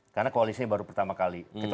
karena koalisinya baru pertama kali